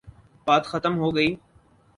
بات ختم ہو گئی۔